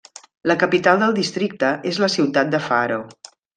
La capital del districte és la ciutat de Faro.